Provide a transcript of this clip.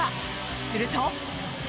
すると。